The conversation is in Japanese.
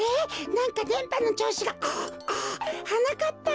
なんかでんぱのちょうしが。はなかっぱくん？